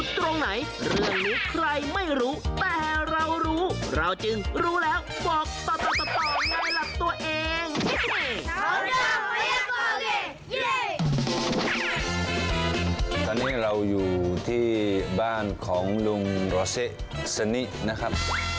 ตอนนี้เราอยู่ที่บ้านของลุงโรเซสนินะครับ